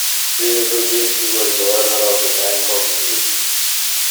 Prior to this, he was governor of the Bank of Greece.